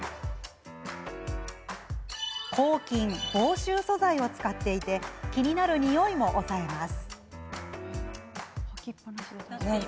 抗菌、防臭素材を使っていて気になるにおいも抑えます。